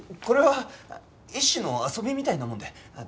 これは一種の遊びみたいなもので。